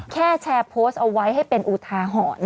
แค่แชร์โพสต์เอาไว้ให้เป็นอุทาหรณ์